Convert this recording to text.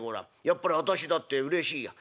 やっぱり私だってうれしいや。